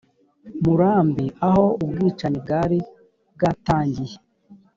murambi aho ubwicanyi bwari bwatangiye